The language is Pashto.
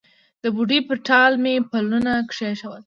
د بوډۍ پر ټال مې پلونه کښېښول